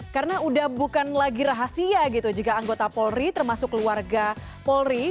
karena udah bukan lagi rahasia gitu jika anggota polri termasuk keluarga polri